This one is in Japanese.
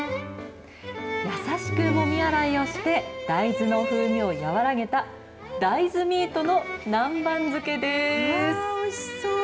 優しくもみ洗いをして、大豆の風味を和らげた大豆ミートの南蛮漬おいしそう。